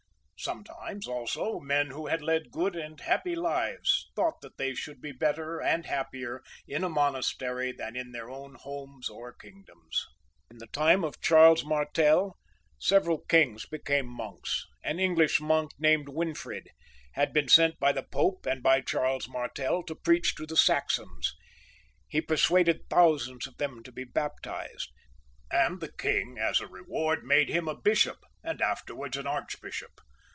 Sometimes, also, men who had led good and happy lives thought that they should be better and happier in a monastery than in their homes or kingdoms. In the time of Charles Martel several kings became monks. An English monk named Winfrid had been sent by the Pope and by Charles Martel to preach to the Saxons. He persuaded thousands of them to be baptized, and the king, as a reward, made him a bishop, and after wards an archbishop.